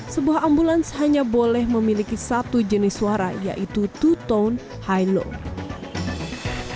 sebuah ambulans hanya boleh memiliki satu jenis suara yaitu tone high low